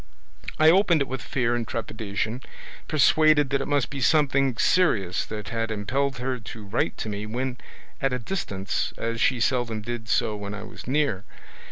I opened it with fear and trepidation, persuaded that it must be something serious that had impelled her to write to me when at a distance, as she seldom did so when I was near.